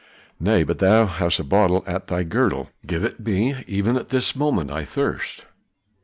"Nay, but thou hast a bottle at thy girdle; give it me. Even at this moment I thirst."